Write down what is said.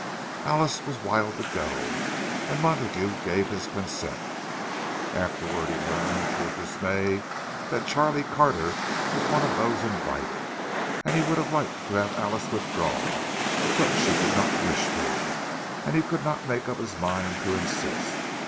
Alice was wild to go, and Montague gave his consent. Afterward he learned to his dismay that Charlie Carter was one of those invited, and he would have liked to have Alice withdraw; but she did not wish to, and he could not make up his mind to insist.